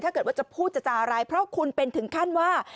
ถ้าเกิดว่าจะพูดจะจาอะไรเพราะคุณเป็นถึงขั้นว่า